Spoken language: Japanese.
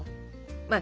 まあ